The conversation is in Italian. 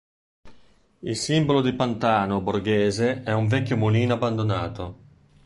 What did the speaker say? Il simbolo di Pantano Borghese è un vecchio mulino abbandonato.